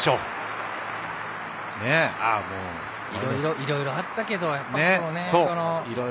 いろいろあったけどね。